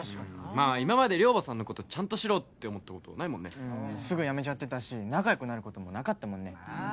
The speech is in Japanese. まあ今まで寮母さんのことちゃんと知ろうって思ったことないもんねすぐ辞めちゃってたし仲良くなることもなかったもんね